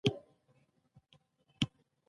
د ګهیځ لمونځ څلور رکعته ده